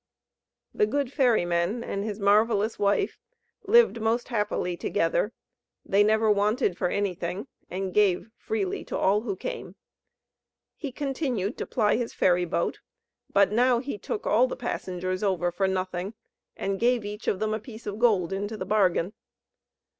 The good ferry man and his marvellous wife lived most happily together; they never wanted for anything, and gave freely to all who came. He continued to ply his ferry boat; but he now took all passengers over for nothing, and gave them each a piece of gold into the bargain.